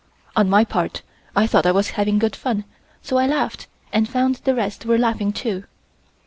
On my part I thought I was having good fun so I laughed and found the rest were laughing too.